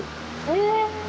え！